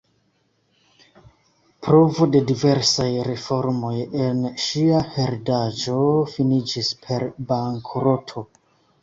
Provo de diversaj reformoj en ŝia heredaĵo finiĝis per bankroto.